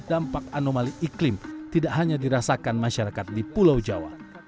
dampak anomali iklim tidak hanya dirasakan masyarakat di pulau jawa